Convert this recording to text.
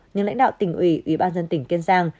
nhưng lãnh đạo tỉnh ủy ủy ban dân tỉnh kiên giang